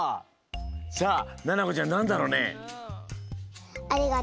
さあななこちゃんなんだろうね？